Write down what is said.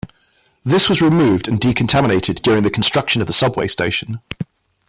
This was removed and decontaminated during the construction of the subway station.